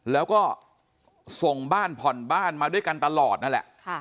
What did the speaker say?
แล้วก็ส่งบ้านผ่อนบ้านมาด้วยกันตลอดนั่นแหละ